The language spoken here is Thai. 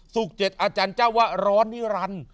สุขเจ็ดอาจารย์เจ้าว่าร้อนิรรรณ